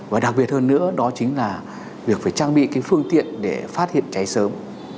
và đặc biệt hơn nữa đó chính là việc phải trang bị cái phương tiện để phát hiện cháy sớm